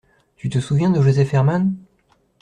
Tu te souviens de Joseph Herman?